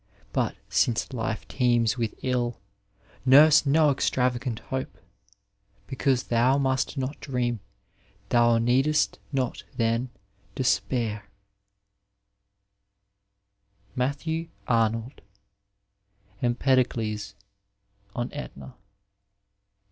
But, since life teems with ill. Nurse no extravagant hope ; Beoanse thou must not dream, thou need'st not then despairii Matthbw Abvold, Smpeiode$ on Etna.